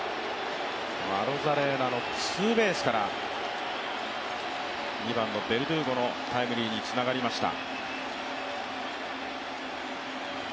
アロザレーナのツーベースから２番のベルドゥーゴのタイムリーにつながりました。